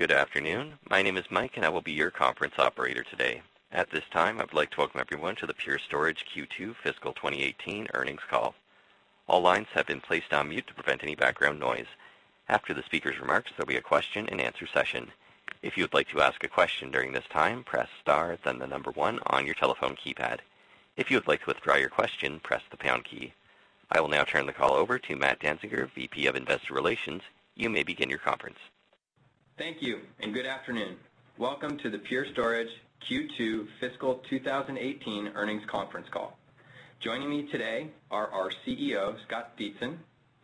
Good afternoon. My name is Mike, and I will be your conference operator today. At this time, I would like to welcome everyone to the Pure Storage Q2 fiscal 2018 earnings call. All lines have been placed on mute to prevent any background noise. After the speaker's remarks, there'll be a question and answer session. If you would like to ask a question during this time, press star, then the number one on your telephone keypad. If you would like to withdraw your question, press the pound key. I will now turn the call over to Matthew Danziger, VP of Investor Relations. You may begin your conference. Thank you. Good afternoon. Welcome to the Pure Storage Q2 fiscal 2018 earnings conference call. Joining me today are our CEO, Scott Dietzen;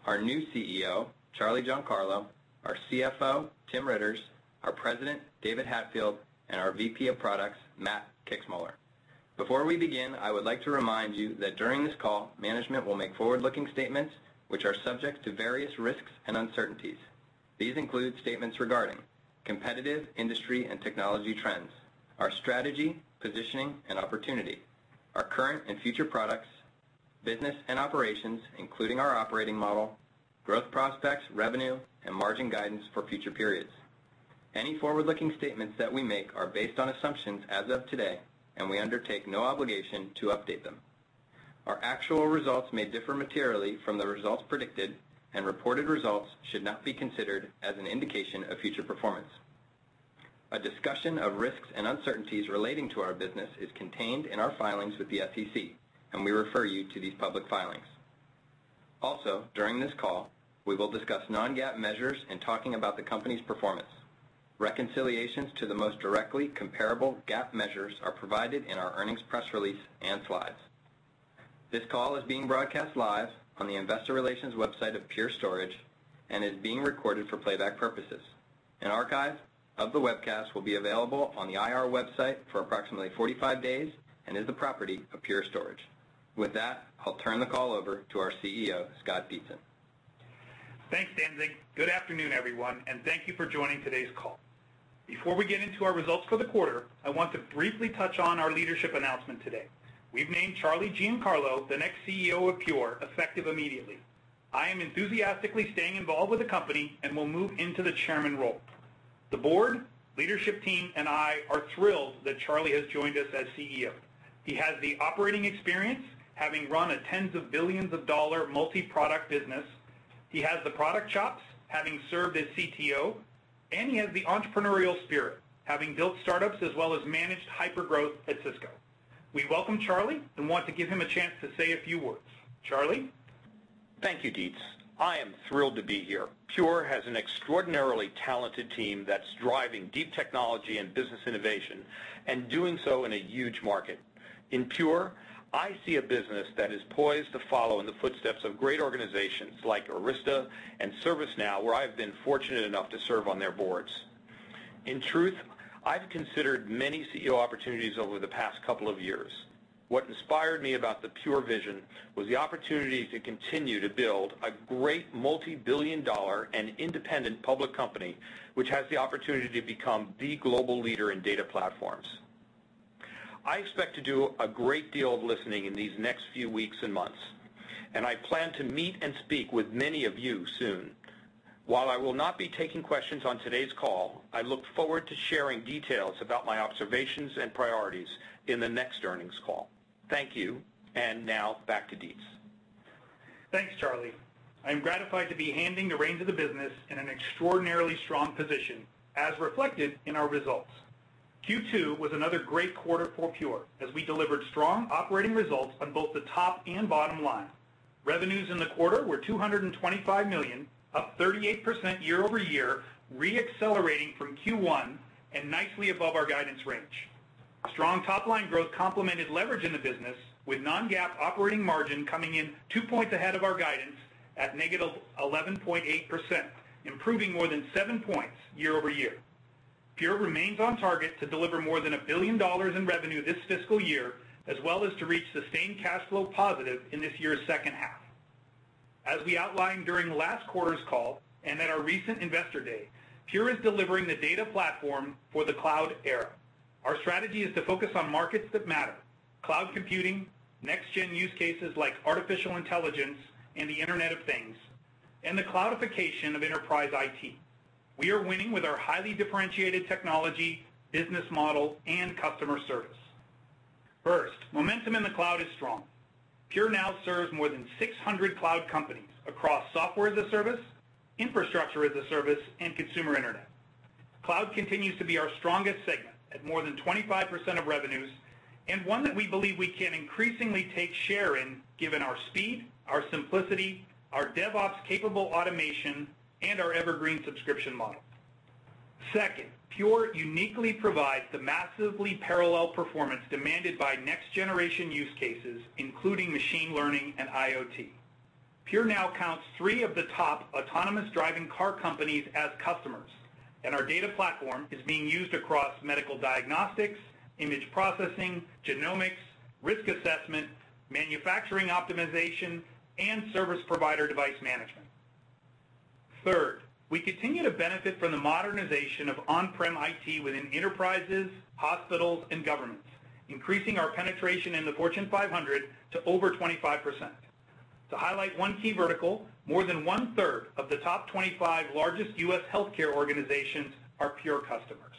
our new CEO, Charlie Giancarlo; our CFO, Tim Riitters; our President, David Hatfield; and our VP of Products, Matt Kixmoeller. Before we begin, I would like to remind you that during this call, management will make forward-looking statements which are subject to various risks and uncertainties. These include statements regarding competitive industry and technology trends, our strategy, positioning, and opportunity, our current and future products, business and operations, including our operating model, growth prospects, revenue, and margin guidance for future periods. Any forward-looking statements that we make are based on assumptions as of today. We undertake no obligation to update them. Our actual results may differ materially from the results predicted. Reported results should not be considered as an indication of future performance. A discussion of risks and uncertainties relating to our business is contained in our filings with the SEC. We refer you to these public filings. During this call, we will discuss non-GAAP measures in talking about the company's performance. Reconciliations to the most directly comparable GAAP measures are provided in our earnings press release and slides. This call is being broadcast live on the investor relations website of Pure Storage and is being recorded for playback purposes. An archive of the webcast will be available on the IR website for approximately 45 days and is the property of Pure Storage. With that, I'll turn the call over to our CEO, Scott Dietzen. Thanks, Danziger. Good afternoon, everyone, and thank you for joining today's call. Before we get into our results for the quarter, I want to briefly touch on our leadership announcement today. We've named Charlie Giancarlo the next CEO of Pure, effective immediately. I am enthusiastically staying involved with the company and will move into the Chairman role. The board, leadership team, and I are thrilled that Charlie has joined us as CEO. He has the operating experience, having run a tens of billions of dollars multi-product business. He has the product chops, having served as CTO. He has the entrepreneurial spirit, having built startups as well as managed hypergrowth at Cisco. We welcome Charlie and want to give him a chance to say a few words. Charlie? Thank you, Dietz. I am thrilled to be here. Pure has an extraordinarily talented team that is driving deep technology and business innovation and doing so in a huge market. In Pure, I see a business that is poised to follow in the footsteps of great organizations like Arista and ServiceNow, where I have been fortunate enough to serve on their boards. In truth, I have considered many CEO opportunities over the past couple of years. What inspired me about the Pure vision was the opportunity to continue to build a great multi-billion dollar and independent public company, which has the opportunity to become the global leader in data platforms. I expect to do a great deal of listening in these next few weeks and months, and I plan to meet and speak with many of you soon. While I will not be taking questions on today's call, I look forward to sharing details about my observations and priorities in the next earnings call. Thank you, and now back to Dietz. Thanks, Charlie. I am gratified to be handing the reins of the business in an extraordinarily strong position, as reflected in our results. Q2 was another great quarter for Pure as we delivered strong operating results on both the top and bottom line. Revenues in the quarter were $225 million, up 38% year-over-year, re-accelerating from Q1 and nicely above our guidance range. Strong top-line growth complemented leverage in the business, with non-GAAP operating margin coming in two points ahead of our guidance at negative 11.8%, improving more than seven points year-over-year. Pure remains on target to deliver more than $1 billion in revenue this fiscal year, as well as to reach sustained cash flow positive in this year's second half. As we outlined during last quarter's call and at our recent Investor Day, Pure is delivering the data platform for the cloud era. Our strategy is to focus on markets that matter: cloud computing, next-gen use cases like artificial intelligence and the Internet of Things, and the cloudification of enterprise IT. We are winning with our highly differentiated technology, business model, and customer service. First, momentum in the cloud is strong. Pure now serves more than 600 cloud companies across Software as a Service, Infrastructure as a Service, and consumer internet. Cloud continues to be our strongest segment at more than 25% of revenues and one that we believe we can increasingly take share in given our speed, our simplicity, our DevOps capable automation, and our Evergreen subscription model. Second, Pure uniquely provides the massively parallel performance demanded by next-generation use cases, including machine learning and IoT. Pure Storage now counts three of the top autonomous driving car companies as customers, and our data platform is being used across medical diagnostics, image processing, genomics, risk assessment, manufacturing optimization, and service provider device management. Third, we continue to benefit from the modernization of on-prem IT within enterprises, hospitals, and governments, increasing our penetration in the Fortune 500 to over 25%. To highlight one key vertical, more than one-third of the top 25 largest U.S. healthcare organizations are Pure Storage customers.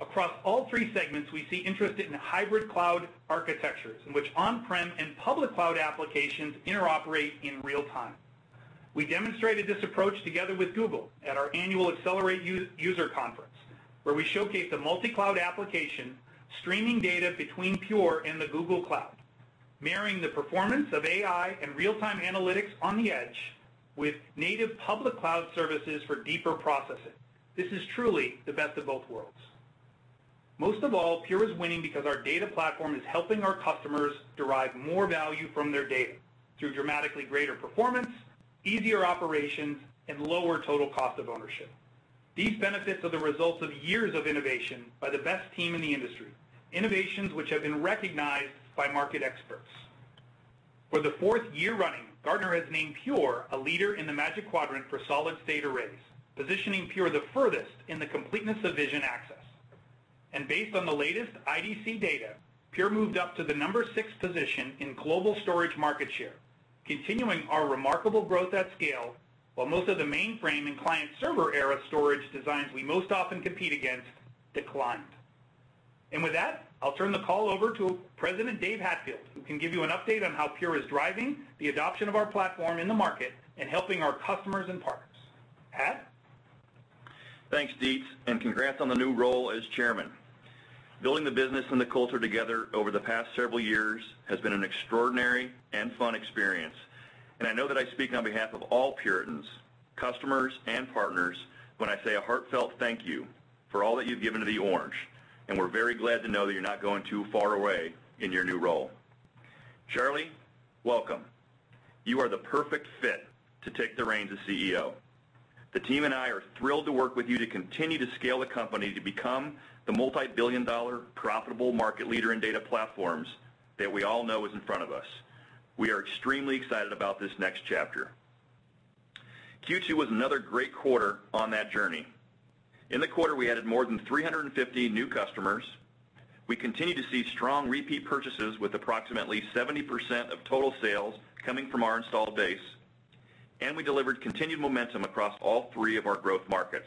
Across all three segments, we see interest in hybrid cloud architectures, in which on-prem and public cloud applications interoperate in real time. We demonstrated this approach together with Google at our annual Accelerate user conference, where we showcased a multi-cloud application streaming data between Pure Storage and the Google Cloud, marrying the performance of AI and real-time analytics on the edge with native public cloud services for deeper processing. This is truly the best of both worlds. Most of all, Pure Storage is winning because our data platform is helping our customers derive more value from their data through dramatically greater performance, easier operations, and lower total cost of ownership. These benefits are the results of years of innovation by the best team in the industry, innovations which have been recognized by market experts. For the fourth year running, Gartner has named Pure Storage a leader in the Magic Quadrant for solid-state arrays, positioning Pure Storage the furthest in the completeness of vision access. Based on the latest IDC data, Pure Storage moved up to the number 6 position in global storage market share, continuing our remarkable growth at scale, while most of the mainframe and client server era storage designs we most often compete against declined. With that, I'll turn the call over to President David Hatfield, who can give you an update on how Pure Storage is driving the adoption of our platform in the market and helping our customers and partners. Hat? Thanks, Dietz, congrats on the new role as chairman. Building the business and the culture together over the past several years has been an extraordinary and fun experience. I know that I speak on behalf of all Puritans, customers, and partners when I say a heartfelt thank you for all that you've given to the Orange, we're very glad to know that you're not going too far away in your new role. Charlie, welcome. You are the perfect fit to take the reins as CEO. The team and I are thrilled to work with you to continue to scale the company to become the multi-billion dollar profitable market leader in data platforms that we all know is in front of us. We are extremely excited about this next chapter. Q2 was another great quarter on that journey. In the quarter, we added more than 350 new customers. We continue to see strong repeat purchases with approximately 70% of total sales coming from our installed base. We delivered continued momentum across all three of our growth markets.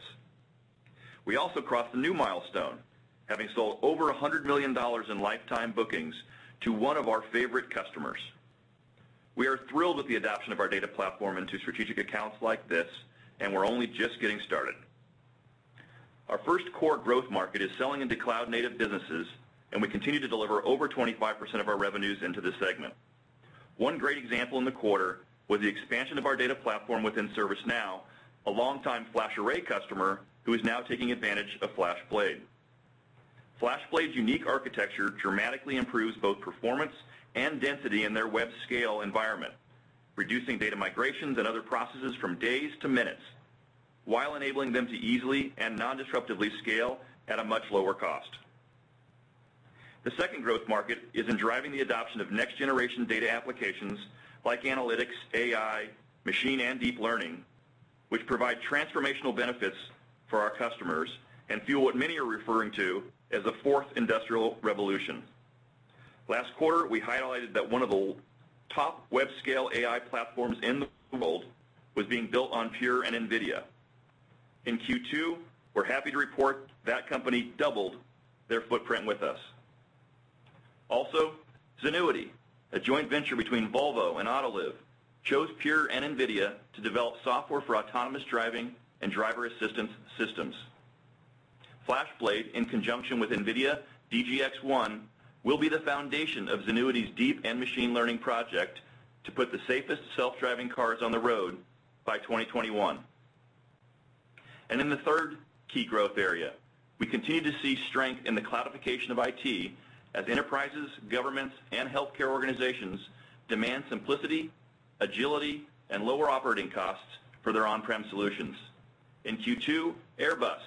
We also crossed a new milestone, having sold over $100 million in lifetime bookings to one of our favorite customers. We are thrilled with the adoption of our data platform into strategic accounts like this, and we're only just getting started. Our first core growth market is selling into cloud-native businesses, and we continue to deliver over 25% of our revenues into this segment. One great example in the quarter was the expansion of our data platform within ServiceNow, a longtime FlashArray customer who is now taking advantage of FlashBlade. FlashBlade's unique architecture dramatically improves both performance and density in their web-scale environment, reducing data migrations and other processes from days to minutes, while enabling them to easily and non-disruptively scale at a much lower cost. The second growth market is in driving the adoption of next-generation data applications like analytics, AI, machine and deep learning, which provide transformational benefits for our customers and fuel what many are referring to as the fourth industrial revolution. Last quarter, we highlighted that one of the top web-scale AI platforms in the world was being built on Pure and NVIDIA. In Q2, we're happy to report that company doubled their footprint with us. Also, Zenuity, a joint venture between Volvo and Autoliv, chose Pure and NVIDIA to develop software for autonomous driving and driver assistance systems. FlashBlade, in conjunction with NVIDIA DGX-1, will be the foundation of Zenuity's deep and machine learning project to put the safest self-driving cars on the road by 2021. In the third key growth area, we continue to see strength in the cloudification of IT as enterprises, governments, and healthcare organizations demand simplicity, agility, and lower operating costs for their on-prem solutions. In Q2, Airbus,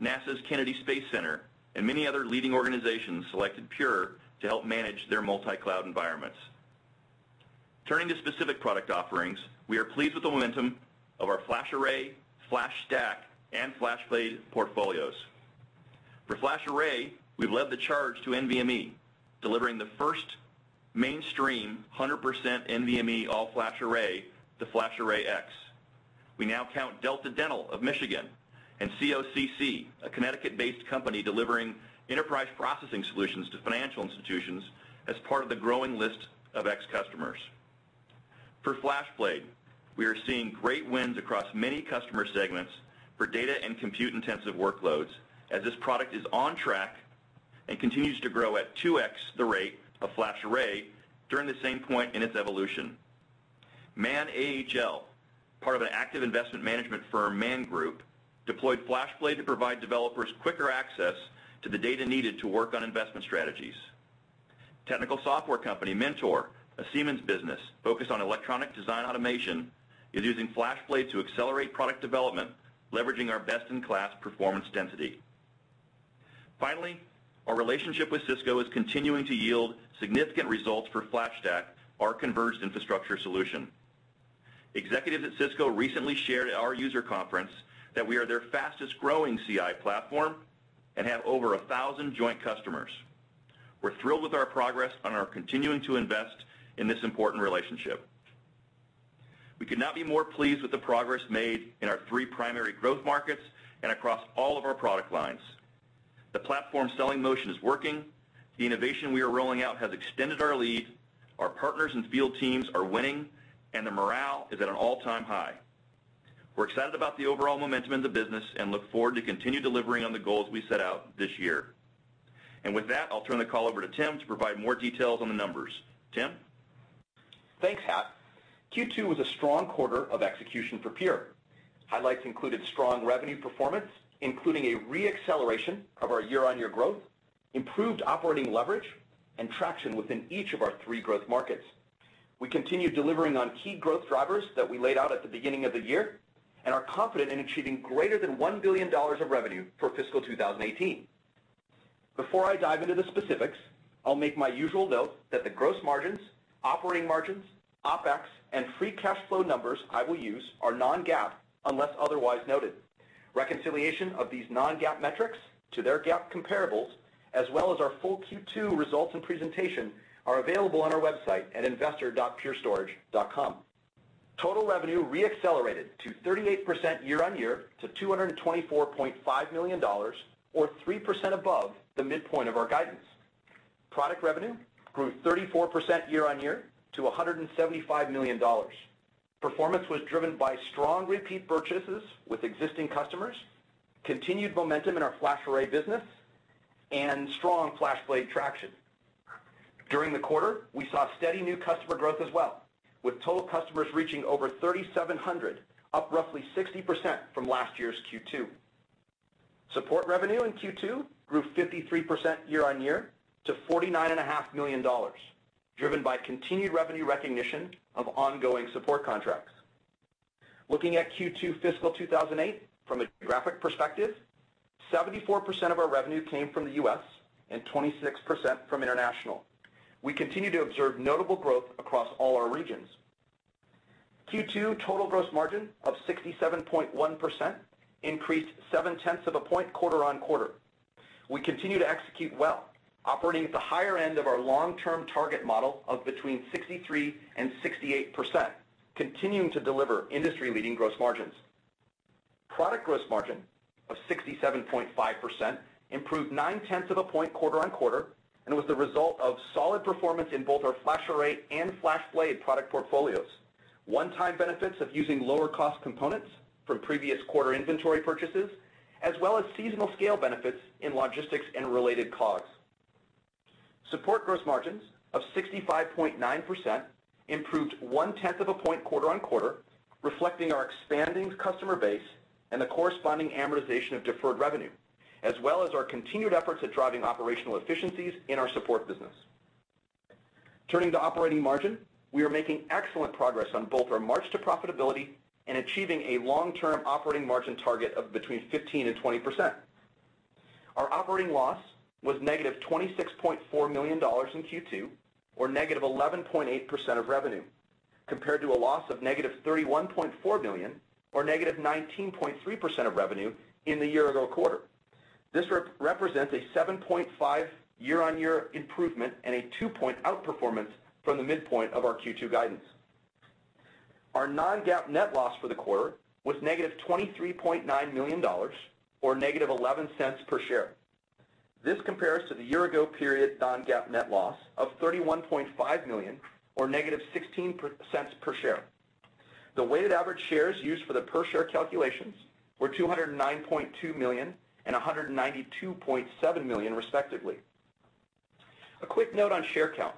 NASA's Kennedy Space Center, and many other leading organizations selected Pure to help manage their multi-cloud environments. Turning to specific product offerings, we are pleased with the momentum of our FlashArray, FlashStack, and FlashBlade portfolios. For FlashArray, we've led the charge to NVMe, delivering the first mainstream 100% NVMe all FlashArray, the FlashArray//X. We now count Delta Dental of Michigan and COCC, a Connecticut-based company delivering enterprise processing solutions to financial institutions as part of the growing list of X customers. For FlashBlade, we are seeing great wins across many customer segments for data and compute-intensive workloads, as this product is on track and continues to grow at 2x the rate of FlashArray during the same point in its evolution. Man AHL, part of the active investment management firm Man Group, deployed FlashBlade to provide developers quicker access to the data needed to work on investment strategies. Technical software company Mentor, a Siemens business focused on electronic design automation, is using FlashBlade to accelerate product development, leveraging our best-in-class performance density. Finally, our relationship with Cisco is continuing to yield significant results for FlashStack, our converged infrastructure solution. Executives at Cisco recently shared at our user conference that we are their fastest growing CI platform and have over 1,000 joint customers. We're thrilled with our progress and are continuing to invest in this important relationship. We could not be more pleased with the progress made in our three primary growth markets and across all of our product lines. The platform selling motion is working. The innovation we are rolling out has extended our lead. Our partners and field teams are winning, and the morale is at an all-time high. We're excited about the overall momentum in the business and look forward to continue delivering on the goals we set out this year. With that, I'll turn the call over to Tim to provide more details on the numbers. Tim? Thanks, Hat. Q2 was a strong quarter of execution for Pure. Highlights included strong revenue performance, including a re-acceleration of our year-on-year growth, improved operating leverage, and traction within each of our three growth markets. We continue delivering on key growth drivers that we laid out at the beginning of the year and are confident in achieving greater than $1 billion of revenue for fiscal 2018. Before I dive into the specifics, I'll make my usual note that the gross margins, operating margins, OpEx, and free cash flow numbers I will use are non-GAAP, unless otherwise noted. Reconciliation of these non-GAAP metrics to their GAAP comparables, as well as our full Q2 results and presentation, are available on our website at investor.purestorage.com. Total revenue re-accelerated to 38% year-on-year to $224.5 million, or 3% above the midpoint of our guidance. Product revenue grew 34% year-on-year to $175 million. Performance was driven by strong repeat purchases with existing customers, continued momentum in our FlashArray business, and strong FlashBlade traction. During the quarter, we saw steady new customer growth as well, with total customers reaching over 3,700, up roughly 60% from last year's Q2. Support revenue in Q2 grew 53% year-on-year to $49.5 million, driven by continued revenue recognition of ongoing support contracts. Looking at Q2 fiscal 2018 from a geographic perspective, 74% of our revenue came from the U.S. and 26% from international. We continue to observe notable growth across all our regions. Q2 total gross margin of 67.1%, increased seven-tenths of a point quarter-on-quarter. We continue to execute well, operating at the higher end of our long-term target model of between 63% and 68%, continuing to deliver industry-leading gross margins. Product gross margin of 67.5% improved nine-tenths of a point quarter-on-quarter, was the result of solid performance in both our FlashArray and FlashBlade product portfolios. One-time benefits of using lower cost components from previous quarter inventory purchases, as well as seasonal scale benefits in logistics and related COGS. Support gross margins of 65.9% improved one-tenth of a point quarter-on-quarter, reflecting our expanding customer base and the corresponding amortization of deferred revenue, as well as our continued efforts at driving operational efficiencies in our support business. Turning to operating margin, we are making excellent progress on both our march to profitability and achieving a long-term operating margin target of between 15% and 20%. Our operating loss was negative $26.4 million in Q2, or negative 11.8% of revenue, compared to a loss of negative $31.4 million, or negative 19.3% of revenue in the year-ago quarter. This represents a 7.5 year-over-year improvement and a two-point outperformance from the midpoint of our Q2 guidance. Our non-GAAP net loss for the quarter was -$23.9 million, or -$0.11 per share. This compares to the year-ago period non-GAAP net loss of $31.5 million or -$0.16 per share. The weighted average shares used for the per share calculations were 209.2 million and 192.7 million respectively. A quick note on share count.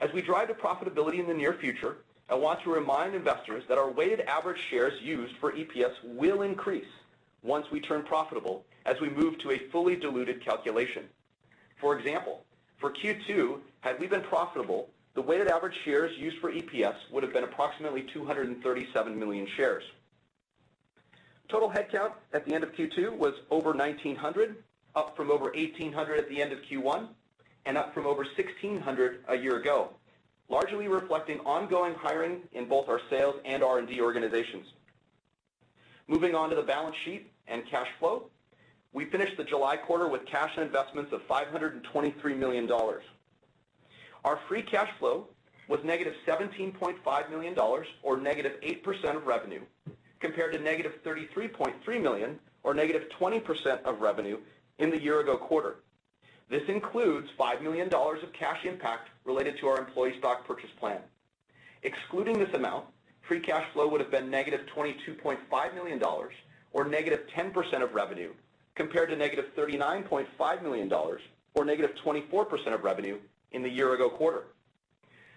As we drive to profitability in the near future, I want to remind investors that our weighted average shares used for EPS will increase once we turn profitable as we move to a fully diluted calculation. For example, for Q2, had we been profitable, the weighted average shares used for EPS would have been approximately 237 million shares. Total headcount at the end of Q2 was over 1,900, up from over 1,800 at the end of Q1, and up from over 1,600 a year ago, largely reflecting ongoing hiring in both our sales and R&D organizations. Moving on to the balance sheet and cash flow. We finished the July quarter with cash and investments of $523 million. Our free cash flow was -$17.5 million, or -8% of revenue, compared to -$33.3 million, or -20% of revenue in the year-ago quarter. This includes $5 million of cash impact related to our employee stock purchase plan. Excluding this amount, free cash flow would have been -$22.5 million, or -10% of revenue, compared to -$39.5 million, or -24% of revenue in the year-ago quarter.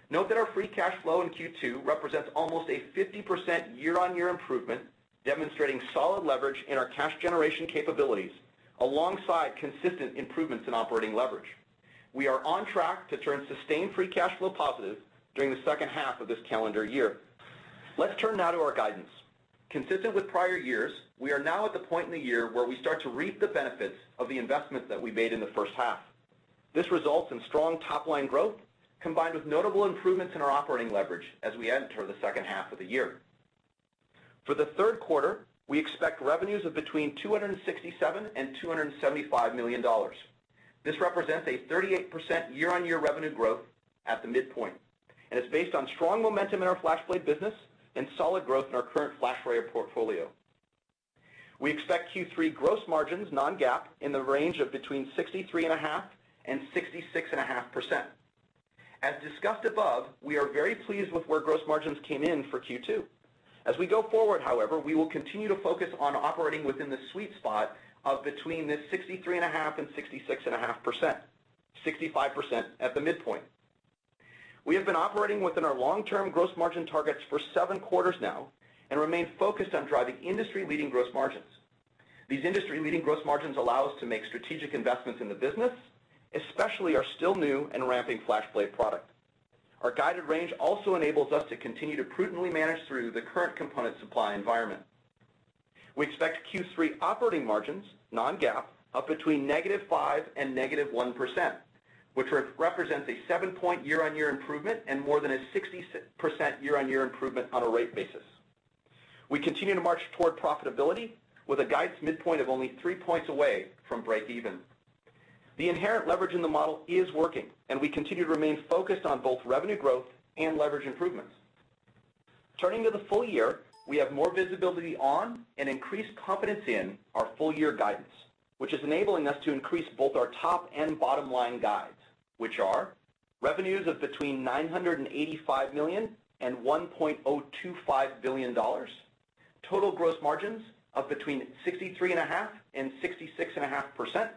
Note that our free cash flow in Q2 represents almost a 50% year-over-year improvement, demonstrating solid leverage in our cash generation capabilities, alongside consistent improvements in operating leverage. We are on track to turn sustained free cash flow positive during the second half of this calendar year. Let's turn now to our guidance. Consistent with prior years, we are now at the point in the year where we start to reap the benefits of the investments that we made in the first half. This results in strong top-line growth, combined with notable improvements in our operating leverage as we enter the second half of the year. For the third quarter, we expect revenues of between $267 million and $275 million. This represents a 38% year-over-year revenue growth at the midpoint, and is based on strong momentum in our FlashBlade business and solid growth in our current FlashArray portfolio. We expect Q3 gross margins non-GAAP in the range of between 63.5% and 66.5%. As discussed above, we are very pleased with where gross margins came in for Q2. As we go forward, however, we will continue to focus on operating within the sweet spot of between the 63.5% and 66.5%, 65% at the midpoint. We have been operating within our long-term gross margin targets for seven quarters now and remain focused on driving industry-leading gross margins. These industry-leading gross margins allow us to make strategic investments in the business, especially our still new and ramping FlashBlade product. Our guided range also enables us to continue to prudently manage through the current component supply environment. We expect Q3 operating margins non-GAAP up between -5% and -1%, which represents a seven-point year-over-year improvement and more than a 60% year-over-year improvement on a rate basis. We continue to march toward profitability with a guidance midpoint of only three points away from breakeven. The inherent leverage in the model is working, and we continue to remain focused on both revenue growth and leverage improvements. Turning to the full year, we have more visibility on and increased confidence in our full-year guidance, which is enabling us to increase both our top and bottom line guides, which are revenues of between $985 million and $1.025 billion, total gross margins of between 63.5% and 66.5%,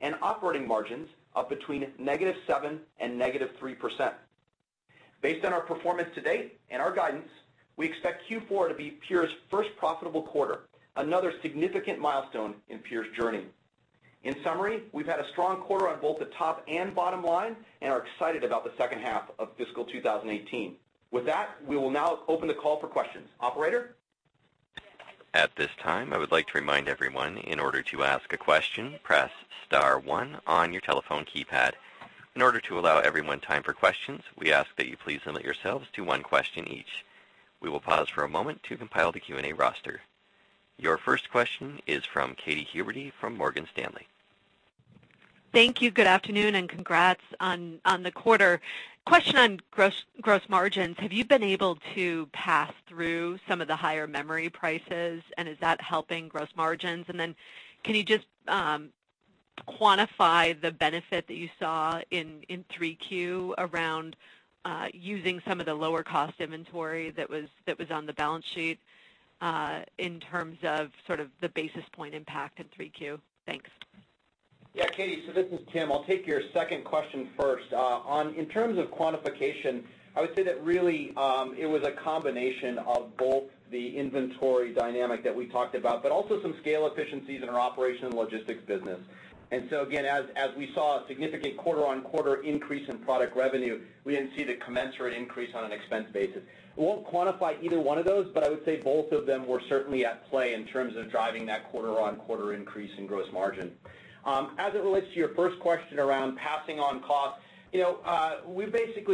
and operating margins of between -7% and -3%. Based on our performance to date and our guidance, we expect Q4 to be Pure's first profitable quarter, another significant milestone in Pure's journey. In summary, we've had a strong quarter on both the top and bottom line and are excited about the second half of fiscal 2018. With that, we will now open the call for questions. Operator? At this time, I would like to remind everyone, in order to ask a question, press star one on your telephone keypad. In order to allow everyone time for questions, we ask that you please limit yourselves to one question each. We will pause for a moment to compile the Q&A roster. Your first question is from Katy Huberty from Morgan Stanley. Thank you. Good afternoon, congrats on the quarter. Question on gross margins. Have you been able to pass through some of the higher memory prices, and is that helping gross margins? Then can you just quantify the benefit that you saw in 3Q around using some of the lower-cost inventory that was on the balance sheet, in terms of the basis point impact in 3Q? Thanks. Yeah, Katy. This is Tim. I'll take your second question first. In terms of quantification, I would say that really, it was a combination of both the inventory dynamic that we talked about, but also some scale efficiencies in our operation logistics business. Again, as we saw a significant quarter-on-quarter increase in product revenue, we didn't see the commensurate increase on an expense basis. I won't quantify either one of those, but I would say both of them were certainly at play in terms of driving that quarter-on-quarter increase in gross margin. As it relates to your first question around passing on cost,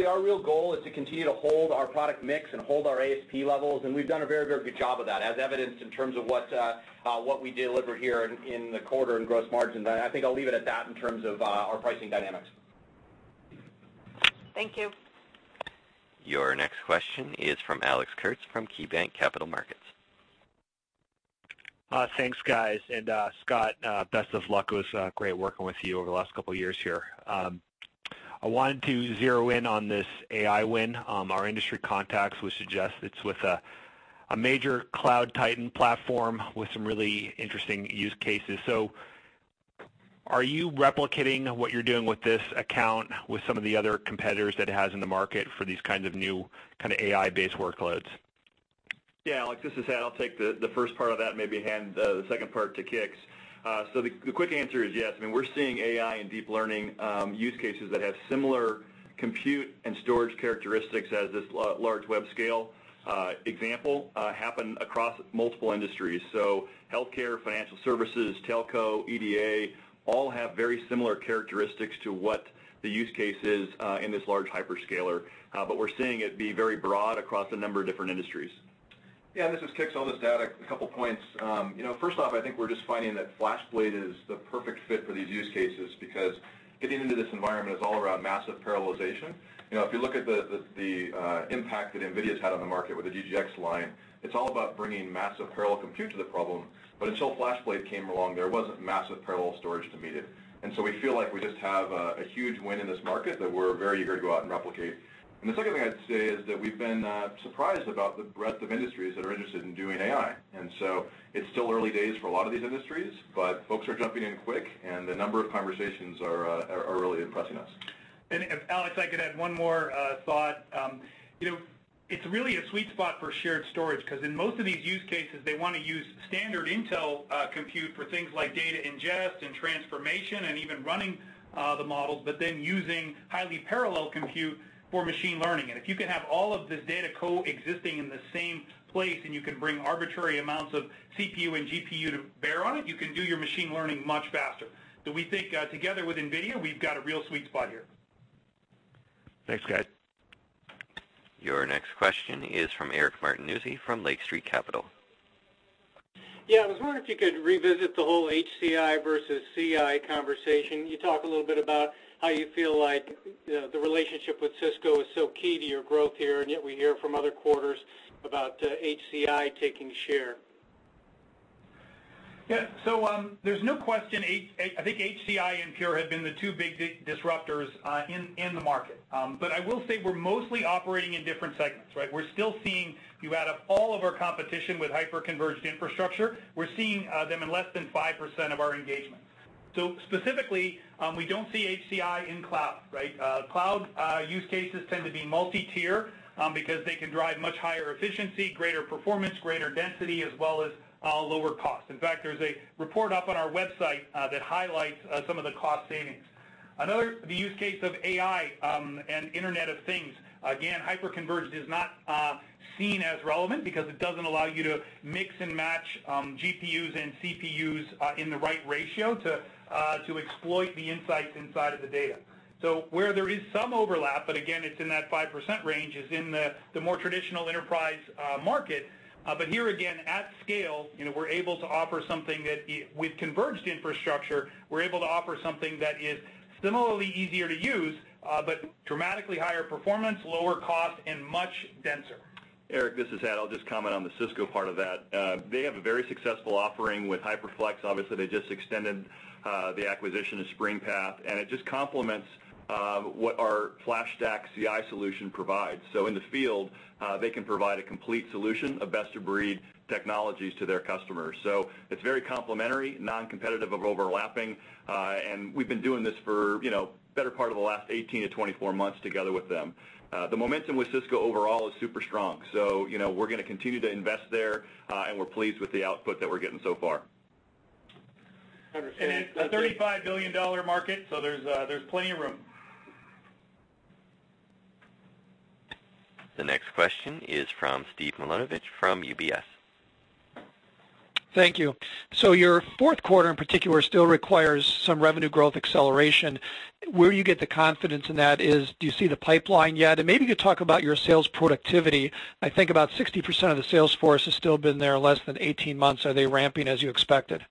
our real goal is to continue to hold our product mix and hold our ASP levels, and we've done a very good job of that, as evidenced in terms of what we deliver here in the quarter in gross margins. I think I'll leave it at that in terms of our pricing dynamics. Thank you. Your next question is from Alex Kurtz from KeyBanc Capital Markets. Thanks, guys, and Scott, best of luck. It was great working with you over the last couple of years here. I wanted to zero in on this AI win. Our industry contacts would suggest it's with a major cloud titan platform with some really interesting use cases. Are you replicating what you're doing with this account with some of the other competitors that it has in the market for these kinds of new AI-based workloads? Yeah, Alex, this is Hat. I'll take the first part of that, maybe hand the second part to Kix. The quick answer is yes. We're seeing AI and deep learning use cases that have similar compute and storage characteristics as this large web scale example happen across multiple industries. Healthcare, financial services, telco, EDA, all have very similar characteristics to what the use case is in this large hyperscaler. We're seeing it be very broad across a number of different industries. Yeah, this is Kix. I'll just add two points. First off, I think we're just finding that FlashBlade is the perfect fit for these use cases because getting into this environment is all around massive parallelization. If you look at the impact that NVIDIA's had on the market with the DGX line, it's all about bringing massive parallel compute to the problem. Until FlashBlade came along, there wasn't massive parallel storage to meet it. We feel like we just have a huge win in this market that we're very eager to go out and replicate. The second thing I'd say is that we've been surprised about the breadth of industries that are interested in doing AI. It's still early days for a lot of these industries, folks are jumping in quick and the number of conversations are really impressing us. Alex, I can add one more thought. It's really a sweet spot for shared storage because in most of these use cases, they want to use standard Intel compute for things like data ingest and transformation, and even running the models, using highly parallel compute for machine learning. If you can have all of this data coexisting in the same place, and you can bring arbitrary amounts of CPU and GPU to bear on it, you can do your machine learning much faster. We think together with NVIDIA, we've got a real sweet spot here. Thanks, guys. Your next question is from Eric Martinuzzi from Lake Street Capital. Yeah. I was wondering if you could revisit the whole HCI versus CI conversation. Can you talk a little bit about how you feel like the relationship with Cisco is so key to your growth here, and yet we hear from other quarters about HCI taking share? Yeah. There's no question, I think HCI and Pure have been the two big disruptors in the market. I will say we're mostly operating in different segments, right? We're still seeing, you add up all of our competition with hyper-converged infrastructure, we're seeing them in less than 5% of our engagements. Specifically, we don't see HCI in cloud, right? Cloud use cases tend to be multi-tier, because they can drive much higher efficiency, greater performance, greater density, as well as lower cost. In fact, there's a report up on our website that highlights some of the cost savings. Another, the use case of AI, and Internet of Things, again, hyper-converged is not seen as relevant because it doesn't allow you to mix and match GPUs and CPUs in the right ratio to exploit the insights inside of the data. Where there is some overlap, again, it's in that 5% range, is in the more traditional enterprise market. Here again, at scale, we're able to offer something that, with converged infrastructure, we're able to offer something that is similarly easier to use, dramatically higher performance, lower cost, and much denser. Eric, this is Hat. I'll just comment on the Cisco part of that. They have a very successful offering with HyperFlex. Obviously, they just extended the acquisition of Springpath, and it just complements what our FlashStack CI solution provides. In the field, they can provide a complete solution of best-of-breed technologies to their customers. So it's very complementary, non-competitive of overlapping, and we've been doing this for better part of the last 18 to 24 months together with them. The momentum with Cisco overall is super strong, so we're going to continue to invest there, and we're pleased with the output that we're getting so far. Understood. Thank you- It's a $35 billion market, so there's plenty of room. The next question is from Steve Milunovich from UBS. Thank you. Your fourth quarter in particular still requires some revenue growth acceleration. Where you get the confidence in that is, do you see the pipeline yet? Maybe you could talk about your sales productivity. I think about 60% of the sales force has still been there less than 18 months. Are they ramping as you expected?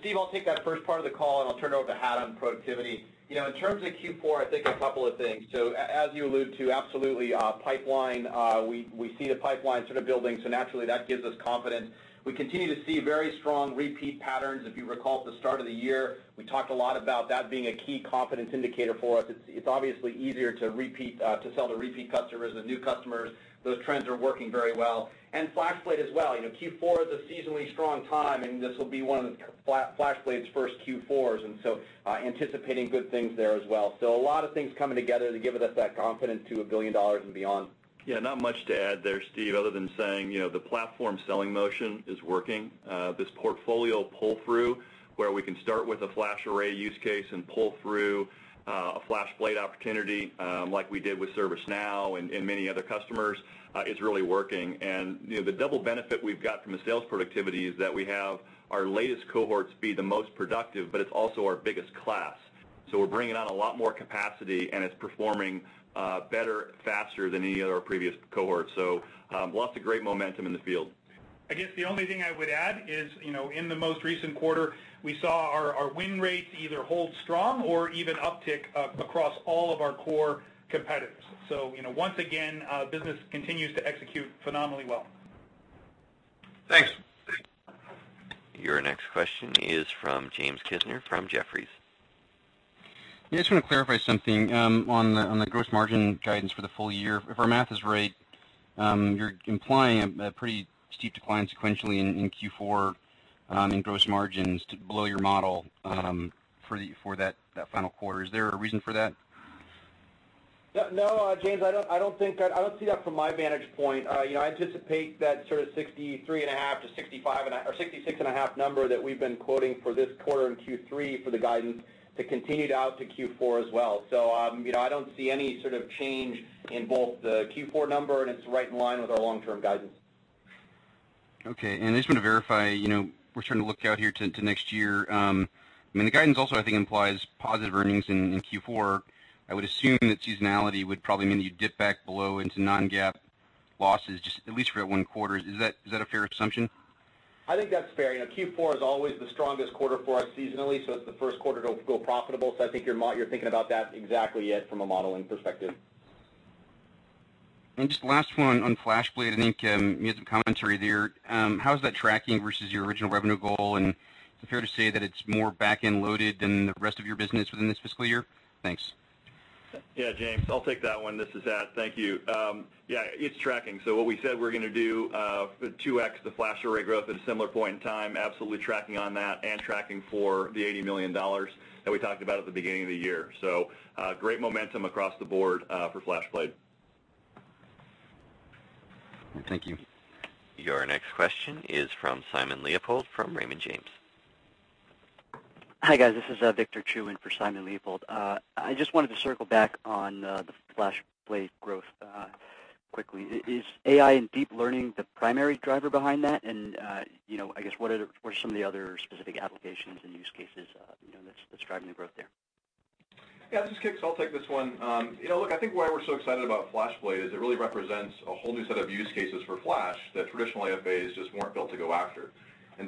Steve, I'll take that first part of the call, and I'll turn it over to Hat on productivity. In terms of Q4, I think a couple of things. As you allude to, absolutely, pipeline, we see the pipeline sort of building, naturally, that gives us confidence. We continue to see very strong repeat patterns. If you recall at the start of the year, we talked a lot about that being a key confidence indicator for us. It's obviously easier to sell to repeat customers than new customers. Those trends are working very well. FlashBlade as well. Q4 is a seasonally strong time, and this will be one of FlashBlade's first Q4s, and anticipating good things there as well. A lot of things coming together to give us that confidence to $1 billion and beyond. Yeah, not much to add there, Steve, other than saying the platform selling motion is working. This portfolio pull-through where we can start with a FlashArray use case and pull through a FlashBlade opportunity, like we did with ServiceNow and many other customers, is really working. The double benefit we've got from the sales productivity is that we have our latest cohorts be the most productive, but it's also our biggest class. We're bringing on a lot more capacity, and it's performing better, faster than any of our previous cohorts. Lots of great momentum in the field. I guess the only thing I would add is, in the most recent quarter, we saw our win rates either hold strong or even uptick across all of our core competitors. Once again, business continues to execute phenomenally well. Thanks. Your next question is from James Kisner from Jefferies. Yeah, I just want to clarify something on the gross margin guidance for the full year. If our math is right, you're implying a pretty steep decline sequentially in Q4 in gross margins to below your model for that final quarter. Is there a reason for that? No, James. I don't see that from my vantage point. I anticipate that sort of 63.5%-65%, or 66.5% number that we've been quoting for this quarter in Q3 for the guidance to continue out to Q4 as well. I don't see any sort of change in both the Q4 number, and it's right in line with our long-term guidance. Okay. I just want to verify, we're starting to look out here to next year. The guidance also, I think, implies positive earnings in Q4. I would assume that seasonality would probably mean that you dip back below into non-GAAP losses just at least for that one quarter. Is that a fair assumption? I think that's fair. Q4 is always the strongest quarter for us seasonally. It's the first quarter to go profitable. I think you're thinking about that exactly it from a modeling perspective. Just the last one on FlashBlade. I think you had some commentary there. How is that tracking versus your original revenue goal? Is it fair to say that it's more back-end loaded than the rest of your business within this fiscal year? Thanks. Yeah, James. I'll take that one. This is Hat. Thank you. Yeah. It's tracking. What we said we're going to do, 2X the FlashArray growth at a similar point in time, absolutely tracking on that, tracking for the $80 million that we talked about at the beginning of the year. Great momentum across the board for FlashBlade. Thank you. Your next question is from Simon Leopold from Raymond James. Hi, guys. This is Victor Chiu in for Simon Leopold. I just wanted to circle back on the FlashBlade growth. Quickly, is AI and deep learning the primary driver behind that? I guess, what are some of the other specific applications and use cases that's driving the growth there? Yeah. This is Kix. I'll take this one. Look, I think why we're so excited about FlashBlade is it really represents a whole new set of use cases for Flash that traditionally FAs just weren't built to go after.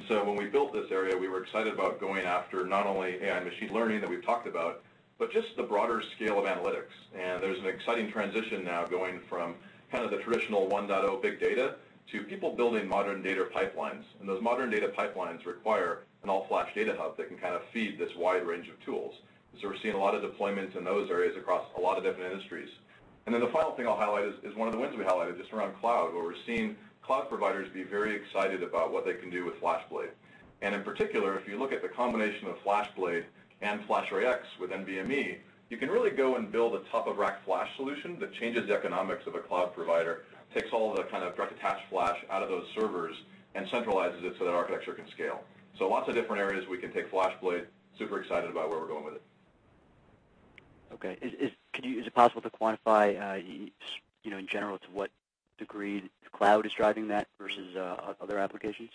When we built this area, we were excited about going after not only AI and machine learning that we've talked about, but just the broader scale of analytics. There's an exciting transition now going from the traditional 1.0 big data to people building modern data pipelines. Those modern data pipelines require an all-flash data hub that can feed this wide range of tools. We're seeing a lot of deployments in those areas across a lot of different industries. The final thing I'll highlight is one of the wins we highlighted, just around cloud, where we're seeing cloud providers be very excited about what they can do with FlashBlade. In particular, if you look at the combination of FlashBlade and FlashArray//X with NVMe, you can really go and build a top-of-rack flash solution that changes the economics of a cloud provider, takes all the direct attached flash out of those servers, and centralizes it so that architecture can scale. Lots of different areas we can take FlashBlade, super excited about where we're going with it. Okay. Is it possible to quantify, in general, to what degree cloud is driving that versus other applications?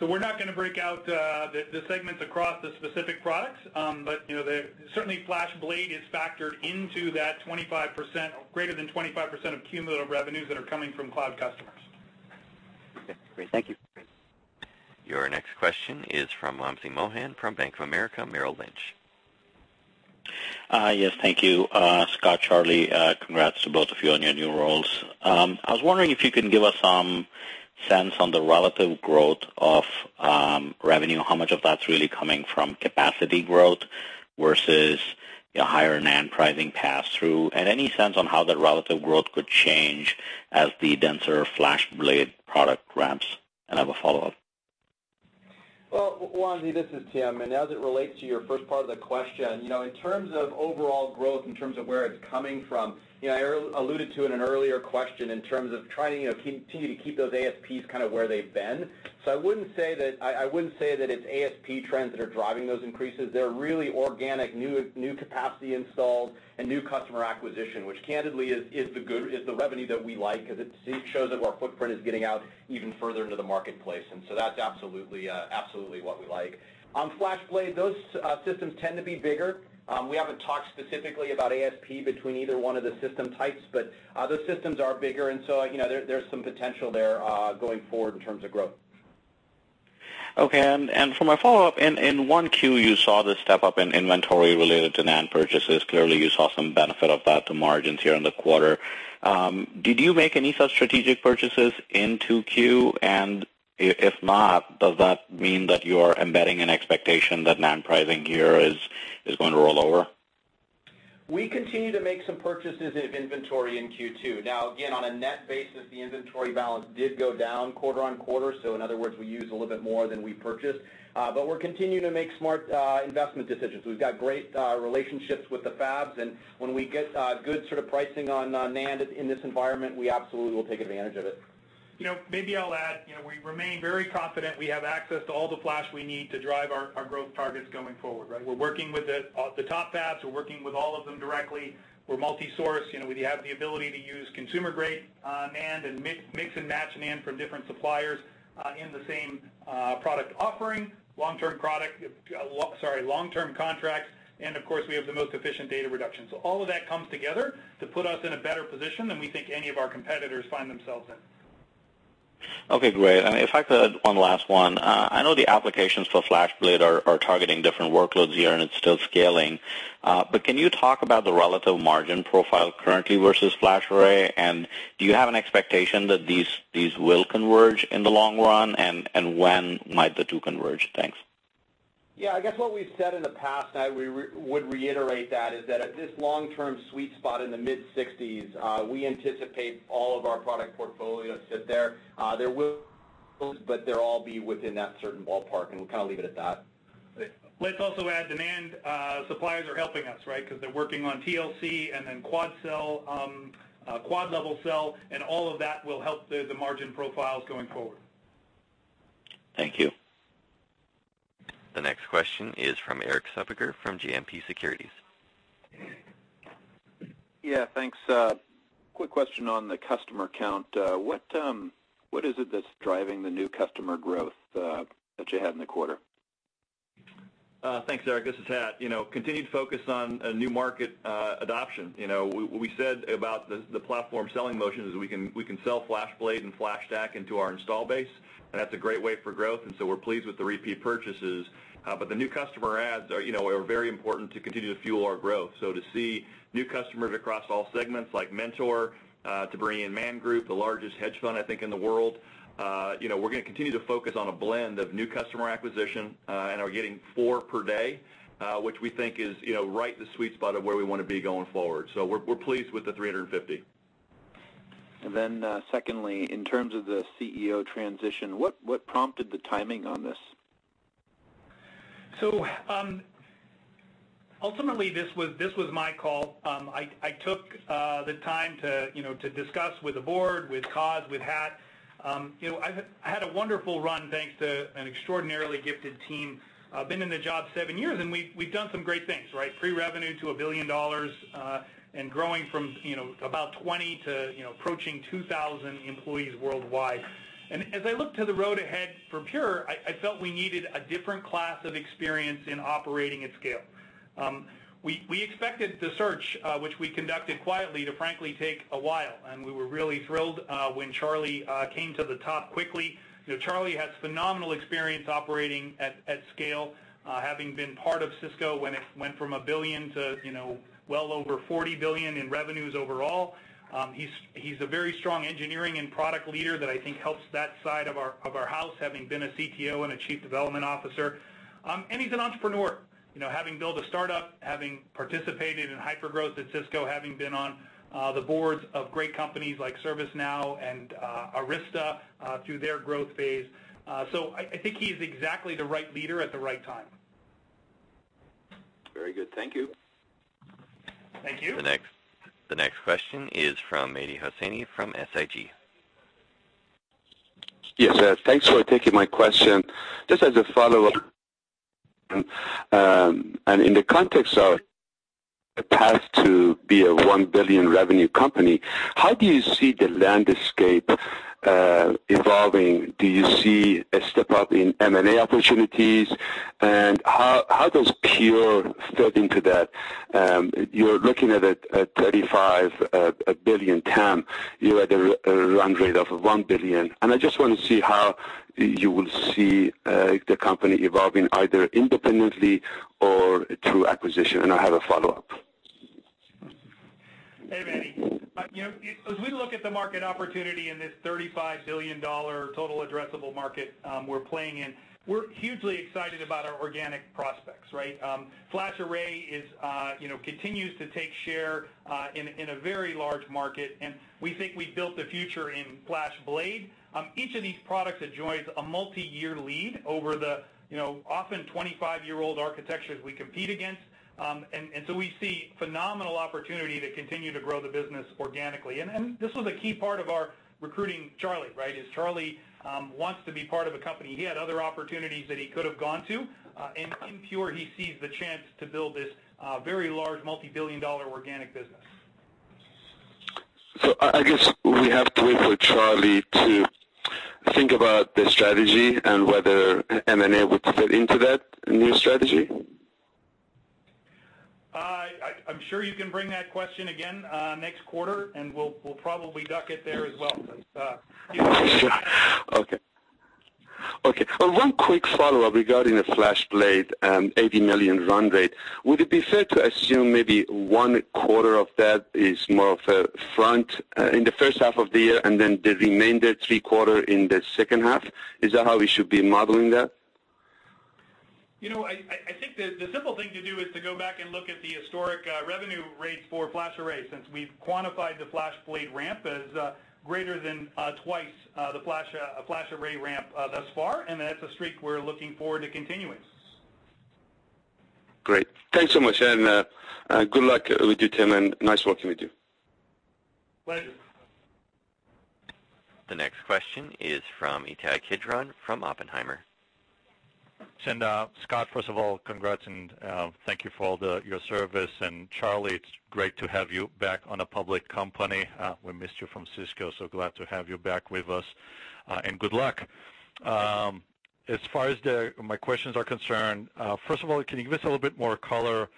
We're not going to break out the segments across the specific products. Certainly FlashBlade is factored into that greater than 25% of cumulative revenues that are coming from cloud customers. Okay, great. Thank you. Your next question is from Vamsi Mohan from Bank of America Merrill Lynch. Yes, thank you. Scott, Charlie, congrats to both of you on your new roles. I was wondering if you can give us some sense on the relative growth of revenue, how much of that's really coming from capacity growth versus higher NAND pricing pass-through. Any sense on how that relative growth could change as the denser FlashBlade product ramps? I have a follow-up. Well, Vamsi, this is Tim, as it relates to your first part of the question, in terms of overall growth, in terms of where it's coming from, I alluded to in an earlier question in terms of trying to continue to keep those ASPs where they've been. I wouldn't say that it's ASP trends that are driving those increases. They're really organic, new capacity installed, and new customer acquisition, which candidly is the revenue that we like because it shows that our footprint is getting out even further into the marketplace. That's absolutely what we like. On FlashBlade, those systems tend to be bigger. We haven't talked specifically about ASP between either one of the system types, but those systems are bigger, and so there's some potential there going forward in terms of growth. Okay, for my follow-up, in 1Q, you saw the step-up in inventory related to NAND purchases. Clearly you saw some benefit of that to margins here in the quarter. Did you make any such strategic purchases in 2Q? If not, does that mean that you're embedding an expectation that NAND pricing here is going to roll over? We continue to make some purchases of inventory in Q2. Now, again, on a net basis, the inventory balance did go down quarter on quarter, so in other words, we used a little bit more than we purchased. We're continuing to make smart investment decisions. We've got great relationships with the fabs, when we get good pricing on NAND in this environment, we absolutely will take advantage of it. Maybe I'll add, we remain very confident we have access to all the flash we need to drive our growth targets going forward. We're working with the top fabs. We're working with all of them directly. We're multi-source. We have the ability to use consumer-grade NAND and mix and match NAND from different suppliers in the same product offering, long-term contracts, and of course, we have the most efficient data reduction. All of that comes together to put us in a better position than we think any of our competitors find themselves in. Okay, great. If I could, one last one. I know the applications for FlashBlade are targeting different workloads here, and it's still scaling. Can you talk about the relative margin profile currently versus FlashArray? Do you have an expectation that these will converge in the long run, and when might the two converge? Thanks. Yeah. I guess what we've said in the past, I would reiterate that, is that at this long-term sweet spot in the mid-60s, we anticipate all of our product portfolio to sit there. Yeah, thanks. Quick question on the customer count. What is it that's driving the new customer growth that you had in the quarter? Thanks, Eric. This is Hat. Continued focus on new market adoption. What we said about the platform selling motion is we can sell FlashBlade and FlashStack into our install base, that's a great way for growth, we're pleased with the repeat purchases. The new customer adds are very important to continue to fuel our growth. To see new customers across all segments, like Mentor, to bring in Man Group, the largest hedge fund, I think, in the world. We're going to continue to focus on a blend of new customer acquisition, are getting four per day, which we think is right in the sweet spot of where we want to be going forward. We're pleased with the 350. Secondly, in terms of the CEO transition, what prompted the timing on this? Ultimately, this was my call. I took the time to discuss with the board, with Kaz, with Hat. I had a wonderful run, thanks to an extraordinarily gifted team. I've been in the job seven years, and we've done some great things. Pre-revenue to $1 billion, and growing from about 20 to approaching 2,000 employees worldwide. As I look to the road ahead for Pure, I felt we needed a different class of experience in operating at scale. We expected the search, which we conducted quietly, to frankly take a while, and we were really thrilled when Charlie came to the top quickly. Charlie has phenomenal experience operating at scale, having been part of Cisco when it went from $1 billion to well over $40 billion in revenues overall. He's a very strong engineering and product leader that I think helps that side of our house, having been a CTO and a chief development officer. He's an entrepreneur. Having built a startup, having participated in hypergrowth at Cisco, having been on the boards of great companies like ServiceNow and Arista, through their growth phase. I think he's exactly the right leader at the right time. Very good. Thank you. Thank you. The next question is from Mehdi Hosseini from SIG. Yes. Thanks for taking my question. Just as a follow-up, and in the context of the path to be a $1 billion revenue company, how do you see the landscape evolving? Do you see a step-up in M&A opportunities? How does Pure fit into that? You're looking at a $35 billion TAM. You're at a run rate of $1 billion. I just want to see how you will see the company evolving, either independently or through acquisition. I have a follow-up. Hey, Manny. As we look at the market opportunity in this $35 billion total addressable market we're playing in, we're hugely excited about our organic prospects. FlashArray continues to take share in a very large market, we think we've built a future in FlashBlade. Each of these products enjoys a multi-year lead over the often 25-year-old architectures we compete against. We see phenomenal opportunity to continue to grow the business organically. This was a key part of our recruiting Charlie, is Charlie wants to be part of a company. He had other opportunities that he could have gone to, and in Pure, he sees the chance to build this very large, multi-billion dollar organic business. I guess we have to wait for Charlie to think about the strategy and whether M&A would fit into that new strategy? I'm sure you can bring that question again next quarter, we'll probably duck it there as well. Okay. One quick follow-up regarding the FlashBlade $80 million run rate. Would it be fair to assume maybe one quarter of that is more of a front in the first half of the year, the remainder three quarter in the second half? Is that how we should be modeling that? I think the simple thing to do is to go back and look at the historic revenue rates for FlashArray, since we've quantified the FlashBlade ramp as greater than twice the FlashArray ramp thus far, and that's a streak we're looking forward to continuing. Great. Thanks so much, and good luck with you, Tim, and nice working with you. Pleasure. The next question is from Ittai Kidron from Oppenheimer. Scott, first of all, congrats and thank you for all your service. Charlie, it's great to have you back on a public company. We missed you from Cisco, so glad to have you back with us, and good luck. As far as my questions are concerned, first of all, can you give us a little bit more color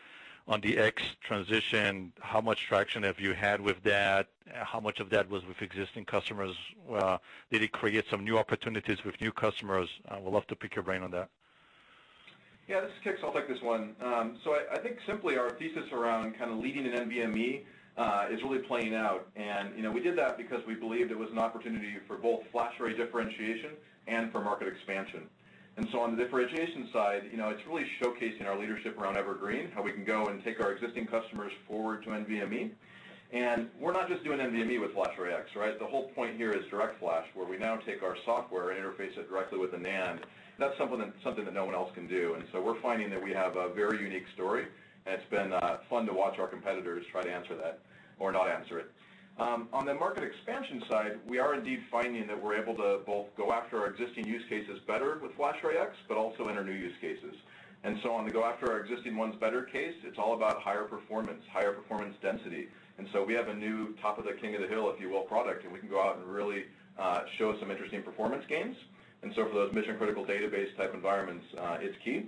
on the X transition? How much traction have you had with that? How much of that was with existing customers? Did it create some new opportunities with new customers? I would love to pick your brain on that. Yeah. This is Kix. I'll take this one. I think simply our thesis around leading in NVMe is really playing out. We did that because we believed it was an opportunity for both FlashArray differentiation and for market expansion. On the differentiation side, it's really showcasing our leadership around Evergreen, how we can go and take our existing customers forward to NVMe. We're not just doing NVMe with FlashArray//X. The whole point here is DirectFlash, where we now take our software and interface it directly with a NAND. That's something that no one else can do. We're finding that we have a very unique story, and it's been fun to watch our competitors try to answer that or not answer it. On the market expansion side, we are indeed finding that we're able to both go after our existing use cases better with FlashArray//X, but also enter new use cases. On the go after our existing ones better case, it's all about higher performance, higher performance density. We have a new top of the king of the hill, if you will, product, and we can go out and really show some interesting performance gains. For those mission-critical database type environments, it's key.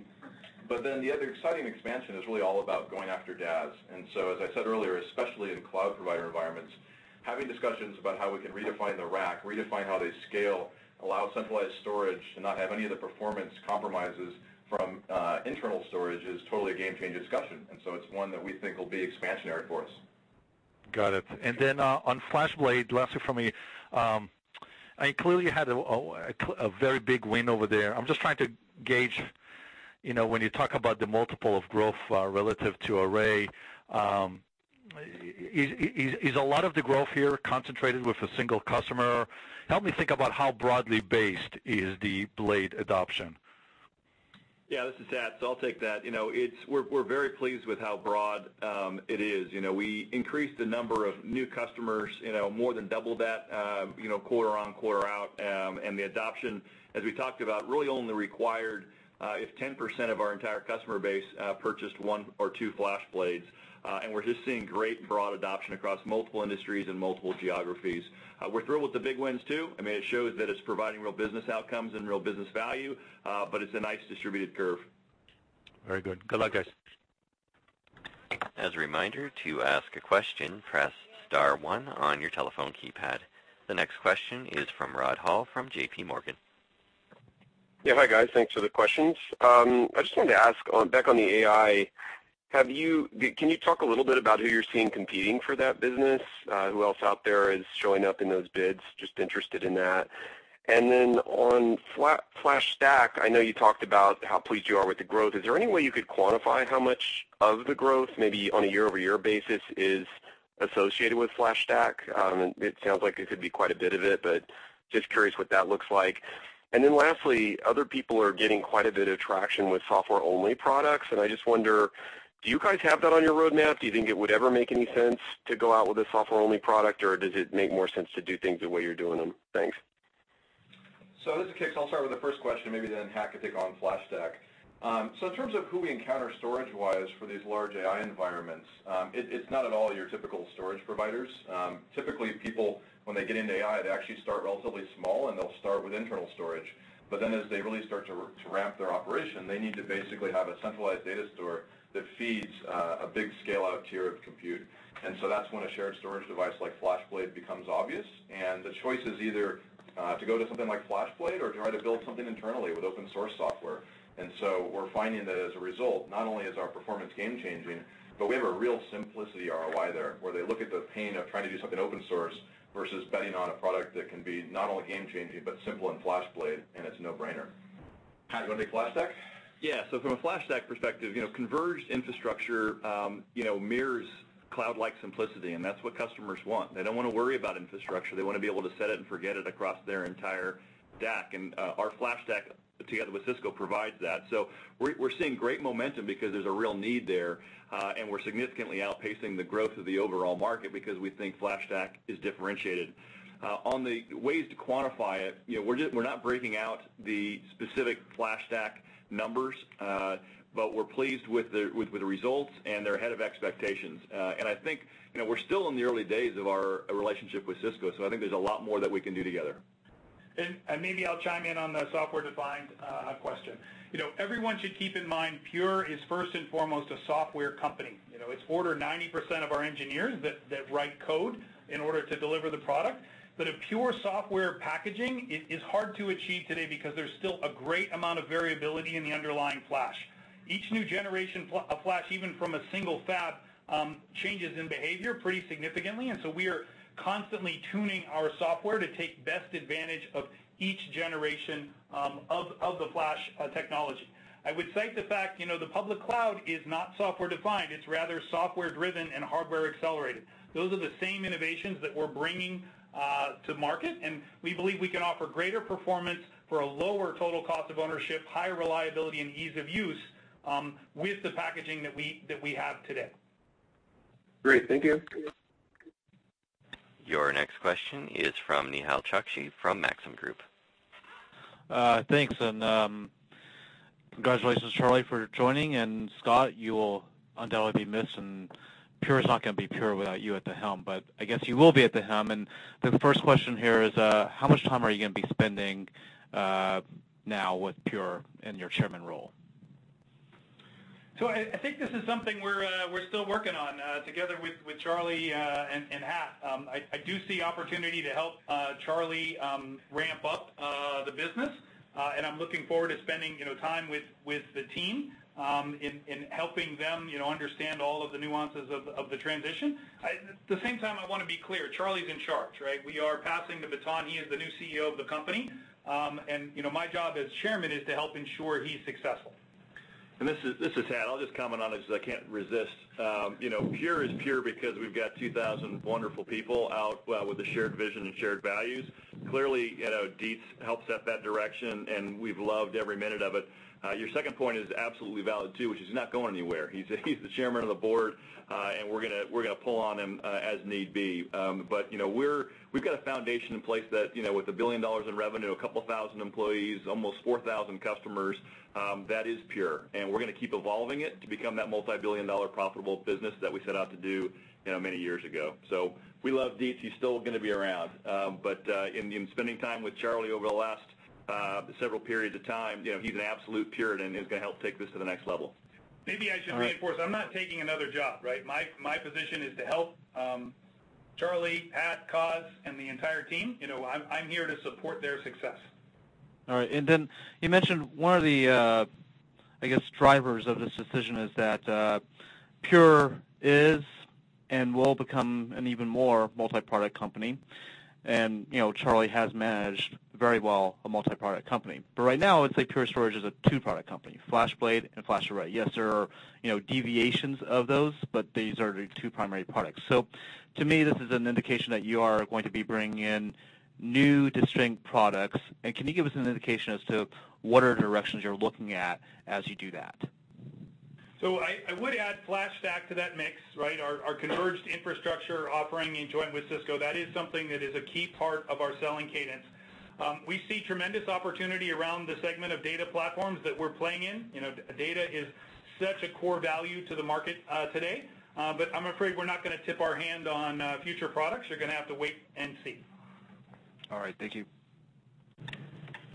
The other exciting expansion is really all about going after DaaS. As I said earlier, especially in cloud provider environments, having discussions about how we can redefine the rack, redefine how they scale, allow centralized storage to not have any of the performance compromises from internal storage is totally a game-change discussion. It's one that we think will be expansionary for us. Got it. On FlashBlade, last one from me. Clearly you had a very big win over there. I'm just trying to gauge when you talk about the multiple of growth relative to array, is a lot of the growth here concentrated with a single customer? Help me think about how broadly based is the blade adoption. Yeah, this is Hat. I'll take that. We're very pleased with how broad it is. We increased the number of new customers, more than doubled that quarter on, quarter out. The adoption, as we talked about, really only required if 10% of our entire customer base purchased one or two FlashBlades. We're just seeing great broad adoption across multiple industries and multiple geographies. We're thrilled with the big wins, too. It shows that it's providing real business outcomes and real business value, but it's a nice distributed curve. Very good. Good luck, guys. As a reminder, to ask a question, press star one on your telephone keypad. The next question is from Rod Hall from JP Morgan. Hi, guys. Thanks for the questions. I just wanted to ask, back on the AI, can you talk a little bit about who you're seeing competing for that business? Who else out there is showing up in those bids? Just interested in that. On FlashStack, I know you talked about how pleased you are with the growth. Is there any way you could quantify how much of the growth, maybe on a year-over-year basis, is associated with FlashStack? It sounds like it could be quite a bit of it, but just curious what that looks like. Lastly, other people are getting quite a bit of traction with software-only products, and I just wonder, do you guys have that on your roadmap? Do you think it would ever make any sense to go out with a software-only product, or does it make more sense to do things the way you're doing them? Thanks. This is Kix. I'll start with the first question, maybe then Hat could take on FlashStack. In terms of who we encounter storage-wise for these large AI environments, it's not at all your typical storage providers. Typically, people, when they get into AI, they actually start relatively small, and they'll start with internal storage. As they really start to ramp their operation, they need to basically have a centralized data store that feeds a big scale-out tier of compute. That's when a shared storage device like FlashBlade becomes obvious. The choice is either to go to something like FlashBlade or to try to build something internally with open source software. We're finding that as a result, not only is our performance game-changing, but we have a real simplicity ROI there, where they look at the pain of trying to do something open source versus betting on a product that can be not only game-changing, but simple in FlashBlade, and it's a no-brainer. Hat, do you want to take FlashStack? Yeah. From a FlashStack perspective, converged infrastructure mirrors cloud-like simplicity, and that's what customers want. They don't want to worry about infrastructure. They want to be able to set it and forget it across their entire stack. Our FlashStack together with Cisco provides that. We're seeing great momentum because there's a real need there, and we're significantly outpacing the growth of the overall market because we think FlashStack is differentiated. On the ways to quantify it, we're not breaking out the specific FlashStack numbers, but we're pleased with the results, and they're ahead of expectations. I think we're still in the early days of our relationship with Cisco, so I think there's a lot more that we can do together. Maybe I'll chime in on the software-defined question. Everyone should keep in mind Pure is first and foremost a software company. It's over 90% of our engineers that write code in order to deliver the product. A Pure software packaging is hard to achieve today because there's still a great amount of variability in the underlying flash. Each new generation of flash, even from a single fab, changes in behavior pretty significantly. We are constantly tuning our software to take best advantage of each generation of the flash technology. I would cite the fact, the public cloud is not software-defined. It's rather software-driven and hardware-accelerated. Those are the same innovations that we're bringing to market, and we believe we can offer greater performance for a lower total cost of ownership, higher reliability, and ease of use with the packaging that we have today. Great. Thank you. Your next question is from Nehal Chokshi from Maxim Group. Thanks, congratulations, Charlie, for joining, Scott, you will undoubtedly be missed, and Pure is not going to be Pure without you at the helm. I guess you will be at the helm, the first question here is, how much time are you going to be spending now with Pure in your chairman role? I think this is something we're still working on together with Charlie and Hat. I do see opportunity to help Charlie ramp up the business, and I'm looking forward to spending time with the team in helping them understand all of the nuances of the transition. At the same time, I want to be clear, Charlie's in charge. We are passing the baton. He is the new CEO of the company. My job as Chairman is to help ensure he's successful. This is Thad. I'll just comment on it because I can't resist. Pure is Pure because we've got 2,000 wonderful people out with a shared vision and shared values. Clearly, Dietz helped set that direction, and we've loved every minute of it. Your second point is absolutely valid, too, which is not going anywhere. He's the Chairman of the board, and we're going to pull on him as need be. We've got a foundation in place that with $1 billion in revenue, a couple thousand employees, almost 4,000 customers, that is Pure. We're going to keep evolving it to become that multibillion-dollar profitable business that we set out to do many years ago. We love Dietz. He's still going to be around. In spending time with Charlie over the last several periods of time, he's an absolute Puritan and is going to help take this to the next level. Maybe I should reinforce, I'm not taking another job. My position is to help Charlie, Hat, Kix, and the entire team. I'm here to support their success. All right. You mentioned one of the, I guess, drivers of this decision is that Pure is and will become an even more multi-product company. Charlie has managed very well a multi-product company. Right now, I would say Pure Storage is a two-product company, FlashBlade and FlashArray. Yes, there are deviations of those, but these are the two primary products. To me, this is an indication that you are going to be bringing in new distinct products. Can you give us an indication as to what are the directions you're looking at as you do that? I would add FlashStack to that mix, right? Our converged infrastructure offering in joint with Cisco, that is something that is a key part of our selling cadence. We see tremendous opportunity around the segment of data platforms that we're playing in. Data is such a core value to the market today. I'm afraid we're not going to tip our hand on future products. You're going to have to wait and see. All right. Thank you.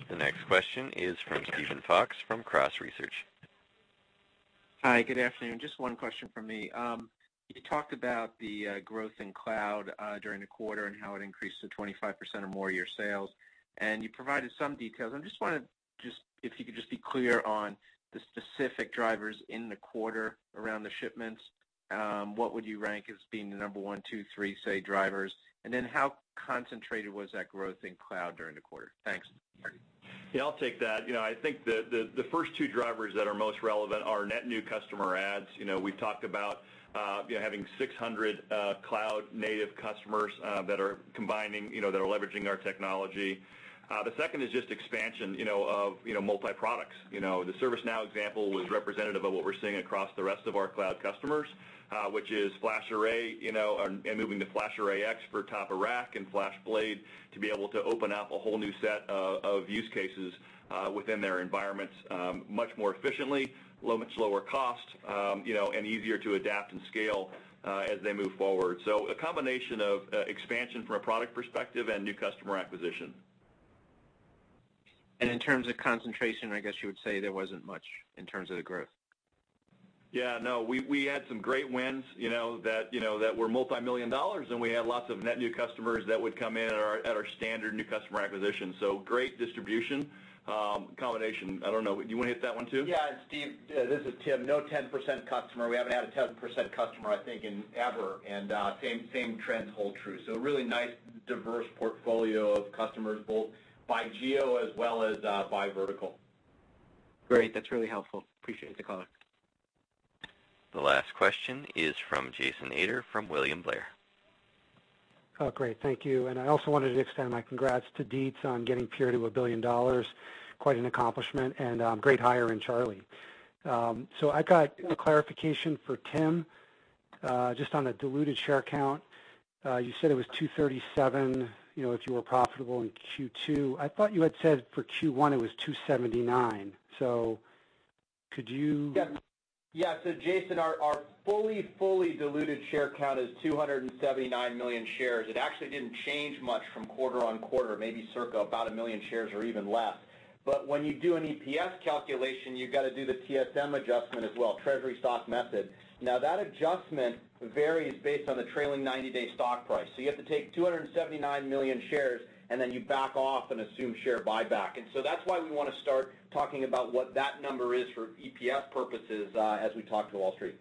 The next question is from Steven Fox from Cross Research. Hi, good afternoon. Just one question from me. You talked about the growth in cloud during the quarter and how it increased to 25% or more of your sales, and you provided some details. I just wonder if you could just be clear on the specific drivers in the quarter around the shipments. What would you rank as being the number 1, 2, 3, say, drivers? Then how concentrated was that growth in cloud during the quarter? Thanks. Yeah, I'll take that. I think the first two drivers that are most relevant are net new customer adds. We've talked about having 600 cloud-native customers that are combining, that are leveraging our technology. The second is just expansion of multi-products. The ServiceNow example was representative of what we're seeing across the rest of our cloud customers, which is FlashArray, and moving to FlashArray//X for top of rack and FlashBlade to be able to open up a whole new set of use cases within their environments much more efficiently, much lower cost, and easier to adapt and scale as they move forward. A combination of expansion from a product perspective and new customer acquisition. In terms of concentration, I guess you would say there wasn't much in terms of the growth. Yeah, no, we had some great wins that were multimillion dollars, and we had lots of net new customers that would come in at our standard new customer acquisition. Great distribution combination. I don't know. You want to hit that one too? Yeah. Steve, this is Tim. No 10% customer, we haven't had a 10% customer, I think in ever. Same trends hold true. Really nice, diverse portfolio of customers, both by geo as well as by vertical. Great. That's really helpful. Appreciate the call. The last question is from Jason Ader from William Blair. Oh, great. Thank you. I also wanted to extend my congrats to Dietz on getting Pure to $1 billion. Quite an accomplishment and great hire in Charlie. I got a clarification for Tim, just on the diluted share count. You said it was 237 if you were profitable in Q2. I thought you had said for Q1 it was 279. Jason, our fully diluted share count is 279 million shares. It actually didn't change much from quarter on quarter, maybe circa about 1 million shares or even less. When you do an EPS calculation, you've got to do the TSM adjustment as well, treasury stock method. That adjustment varies based on the trailing 90-day stock price. You have to take 279 million shares, then you back off and assume share buyback. That's why we want to start talking about what that number is for EPS purposes as we talk to Wall Street.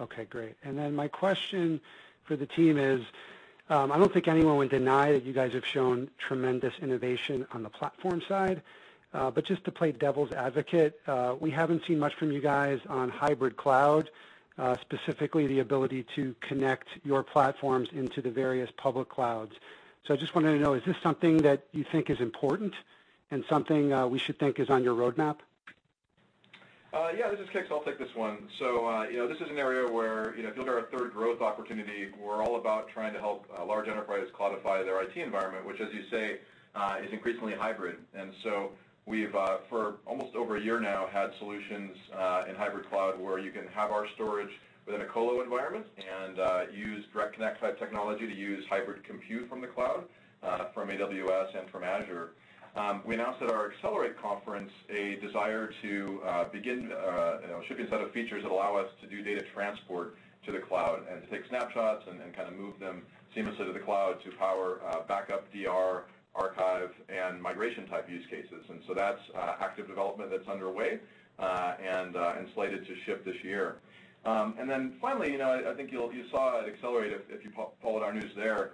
Okay, great. My question for the team is. I don't think anyone would deny that you guys have shown tremendous innovation on the platform side. Just to play devil's advocate, we haven't seen much from you guys on hybrid cloud, specifically the ability to connect your platforms into the various public clouds. I just wanted to know, is this something that you think is important and something we should think is on your roadmap? Yeah. This is Kix, I'll take this one. This is an area where it builds our third growth opportunity. We're all about trying to help large enterprises cloudify their IT environment, which, as you say, is increasingly hybrid. We've for almost over a year now had solutions in hybrid cloud where you can have our storage within a colo environment and use direct connect type technology to use hybrid compute from the cloud, from AWS and from Azure. We announced at our Accelerate conference a desire to ship a set of features that allow us to do data transport to the cloud and to take snapshots and move them seamlessly to the cloud to power backup, DR, archive and migration type use cases. That's active development that's underway, and slated to ship this year. Finally, I think you saw at Accelerate if you followed our news there.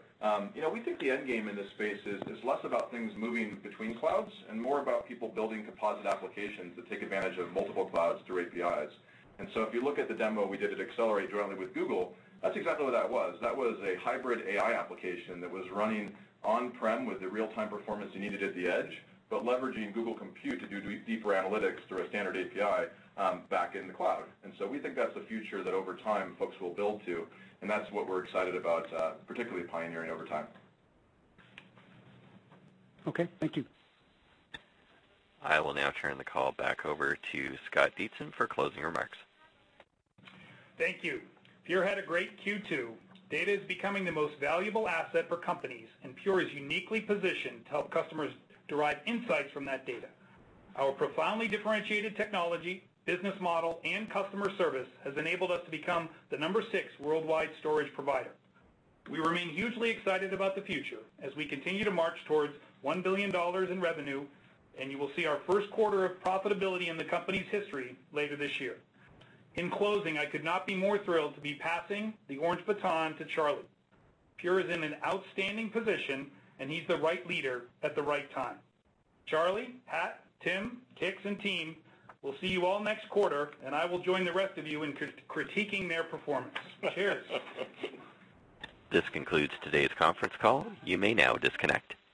We think the end game in this space is less about things moving between clouds and more about people building composite applications that take advantage of multiple clouds through APIs. If you look at the demo we did at Accelerate jointly with Google. That's exactly what that was. That was a hybrid AI application that was running on-prem with the real-time performance you needed at the edge, but leveraging Google Compute to do deeper analytics through a standard API back in the cloud. We think that's the future that over time folks will build to, and that's what we're excited about particularly pioneering over time. Okay. Thank you. I will now turn the call back over to Scott Dietzen for closing remarks. Thank you. Pure had a great Q2. Data is becoming the most valuable asset for companies, and Pure is uniquely positioned to help customers derive insights from that data. Our profoundly differentiated technology, business model, and customer service has enabled us to become the number six worldwide storage provider. We remain hugely excited about the future as we continue to march towards $1 billion in revenue, and you will see our first quarter of profitability in the company's history later this year. In closing, I could not be more thrilled to be passing the Orange baton to Charlie. Pure is in an outstanding position, and he's the right leader at the right time. Charlie, Hat, Tim, Kix, and team, we'll see you all next quarter, and I will join the rest of you in critiquing their performance. Cheers. This concludes today's conference call. You may now disconnect.